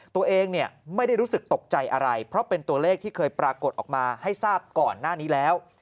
ตัวเองไม่ได้รู้สึกตกใจอะไรเพราะเป็นตัวเลขที่เคยปรากฏออกมาให้ทราบก่อนหน้านี้แล้ว